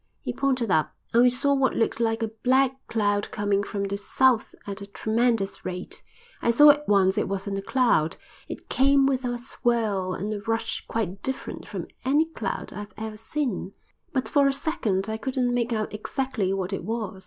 He pointed up, and we saw what looked like a black cloud coming from the south at a tremendous rate. I saw at once it wasn't a cloud; it came with a swirl and a rush quite different from any cloud I've ever seen. But for a second I couldn't make out exactly what it was.